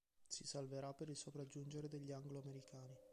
Si salverà per il sopraggiungere degli angloamericani.